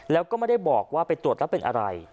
แล้วก็ไม่ได้บอกว่าไปตรวจแล้วเป็นอะไร